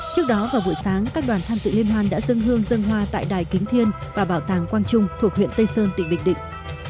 trước đó vào buổi sáng các đoàn tham dự liên hoan đã dân hương dân hoa tại đài kính thiên và bảo tàng quang trung thuộc huyện tây sơn tỉnh bình định